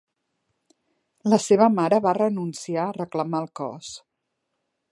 La seva mare va renunciar a reclamar el cos.